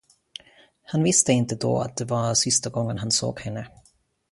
Han visste inte då att det var sista gången han såg henne.